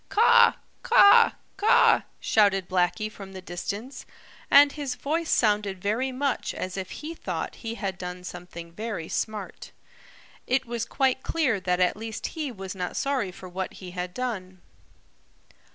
"Caw, caw, caw!" shouted Blacky from the distance, and his voice sounded very much as if he thought he had done something very smart. It was quite clear that at least he was not sorry for what he had done.